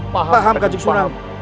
paham kanjeng sunan